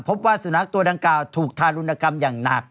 พบว่าสุนัขตัวดังกล่าวถูกทารุณกรรมอย่างหนัก